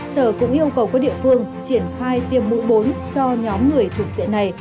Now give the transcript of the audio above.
sở cũng yêu cầu các địa phương triển khai tiêm mũi bốn cho nhóm người thuộc diện này